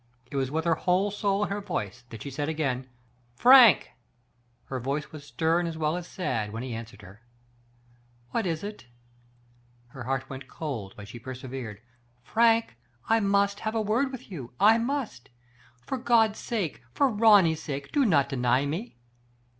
It was with her whole soul in her voice that she said again :" Frank !His voice was stern as well as sad as he answered her :" What is it ?*' Her heart went cold, but she persevered. " Frank, I must have a word with you — I must. For God's sake, for Ronny's sake, do not deny me."